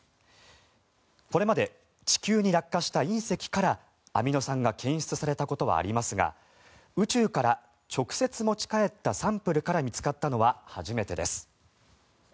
これまで地球に落下した隕石からアミノ酸が検出されたことはありますが宇宙から直接持ち帰ったサンプルから見つかったのは初めてです。